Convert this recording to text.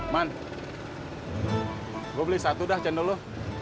man gue beli satu dah cendol lo